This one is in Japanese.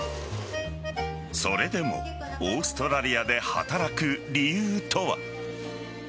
それでもオーストラリアで働く理由とは。